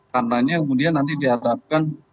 katanya kemudian nanti dihadapkan